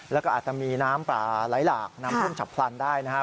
แล้วก็อาจจะมีน้ำป่าไหลหลากน้ำท่วมฉับพลันได้นะครับ